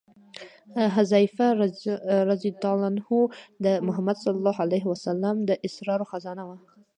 حذیفه رض د محمد صلی الله علیه وسلم د اسرارو خزانه وه.